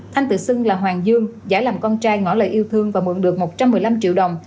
thanh tự xưng là hoàng dương giải làm con trai ngõ lời yêu thương và mượn được một trăm một mươi năm triệu đồng